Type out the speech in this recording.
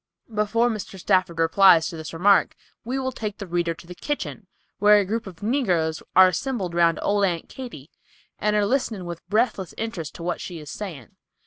Before Mr. Stafford replies to this remark we will take the reader to the kitchen, where a group of negroes are assembled round old Aunt Katy, and are listening with breathless interest to what she is saying.